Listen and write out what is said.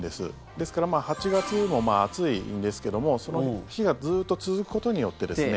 ですから８月も暑いんですけどもその日がずっと続くことによってですね